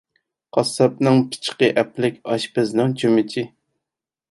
قاسساپنىڭ پىچىقى ئەپلىك، ئاشپەزنىڭ چۆمۈچى.